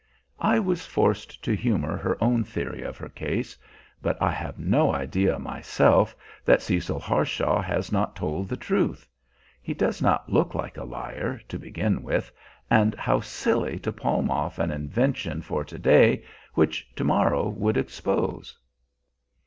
I was forced to humor her own theory of her case; but I have no idea, myself, that Cecil Harshaw has not told the truth. He does not look like a liar, to begin with, and how silly to palm off an invention for to day which to morrow would expose!